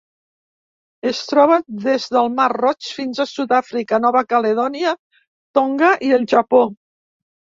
Es troba des del mar Roig fins a Sud-àfrica, Nova Caledònia, Tonga i el Japó.